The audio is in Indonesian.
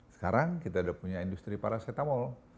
sekarang kita sudah punya industri paracetamol